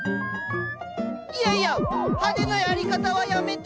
いやいや派手なやり方はやめて！